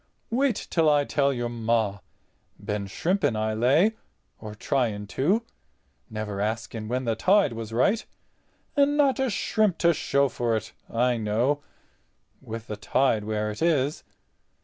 Wait till I tell your Ma—been shrimping I lay—or trying to—never asking when the tide was right. And not a shrimp to show for it, I know, with the tide where it is.